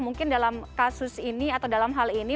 mungkin dalam kasus ini atau dalam hal ini